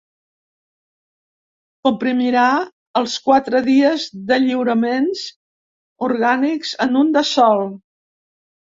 Comprimirà els quatre dies de lliuraments orgànics en un de sol.